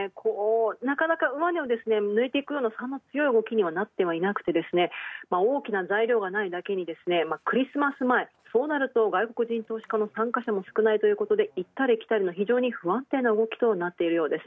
なかなか上値を抜いていくような強い動きにはなっていなくて、大きな材料がないだけにクリスマス前、こうなると外国人投資家の参加者も少ないといったりきたりの非常に不安定な動きとなっているようです。